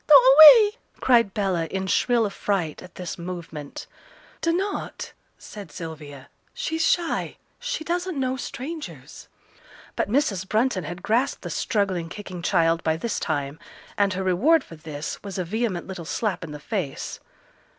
do away!' cried Bella, in shrill affright at this movement. 'Dunnot,' said Sylvia; 'she's shy; she doesn't know strangers.' But Mrs. Brunton had grasped the struggling, kicking child by this time, and her reward for this was a vehement little slap in the face.